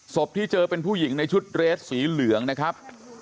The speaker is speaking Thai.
ที่เจอเป็นผู้หญิงในชุดเรสสีเหลืองนะครับ